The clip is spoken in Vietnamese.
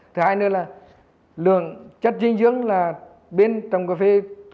thứ hai nữa là lượng chất dinh dưỡng là bên trồng cà phê